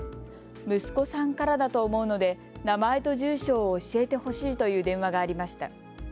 息子さんからだと思うので名前と住所を教えてほしいという電話がありました。